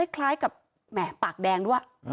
คล้ายกับแหมปากแดงด้วย